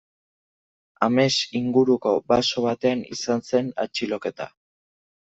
Ames inguruko baso batean izan zen atxiloketa.